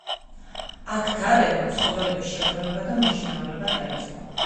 აქ დარელმა ცხოველების შეგროვება და მოშინაურება დაიწყო.